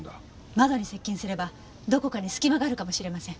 窓に接近すればどこかに隙間があるかもしれません。